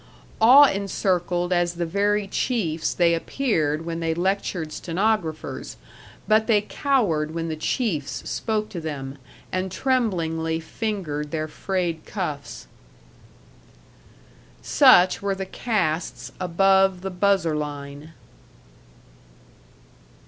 Awe encircled as the very chiefs they appeared when they lectured stenographers, but they cowered when the chiefs spoke to them, and tremblingly fingered their frayed cuffs. Such were the castes above the buzzer line.